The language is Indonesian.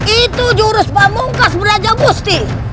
itu jurus pamungkas beraja musti